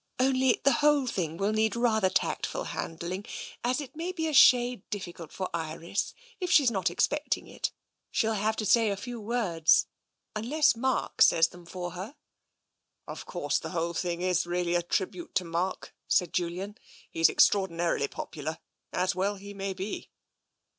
" Only the whole thing will need rather tactful handling, as it may be a shade difficult for Iris, if she's not expecting it. She'll have to say a few words, unless Mark says them for her." "Of course, the whole thing is really a tribute to Mark," said Julian. " He's extraordinarily popular — as well he may be."